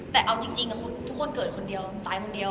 แต่เอาจริงทุกคนเกิดคนเดียวตายคนเดียว